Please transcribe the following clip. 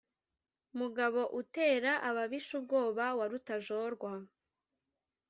mugabo utera ababisha ubwoba wa rutajorwa